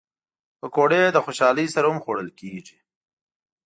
پکورې له خوشحالۍ سره هم خوړل کېږي